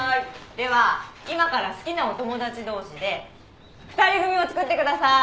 では今から好きなお友達同士で２人組をつくってください！